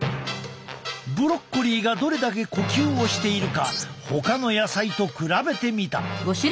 ブロッコリーがどれだけ呼吸をしているかほかの野菜と比べてみた。